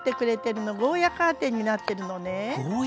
ゴーヤーカーテンになってるのね。